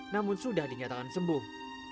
namun sudah dinyatakan sembuh